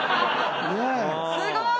すごーい！